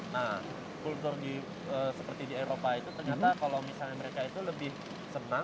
nah kultur seperti di eropa itu ternyata kalau misalnya mereka itu lebih senang